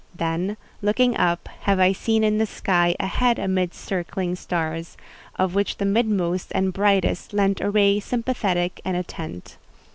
Then, looking up, have I seen in the sky a head amidst circling stars, of which the midmost and the brightest lent a ray sympathetic and attent.